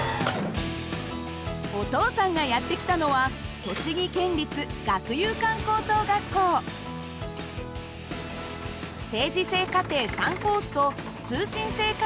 お父さんがやって来たのは定時制課程３コースと通信制課程を併設した学校です。